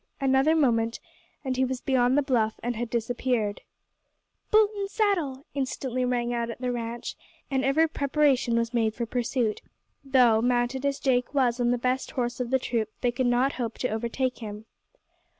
Another moment and he was beyond the bluff and had disappeared. "Boot and saddle!" instantly rang out at the ranch, and every preparation was made for pursuit, though, mounted as Jake was on the best horse of the troop, they could not hope to overtake him.